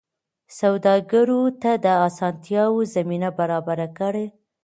سوداګرو ته د اسانتیاوو زمینه برابره کړئ.